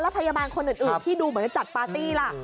พยาบาลคนอื่นที่ดูเหมือนจะจัดปาร์ตี้ล่ะ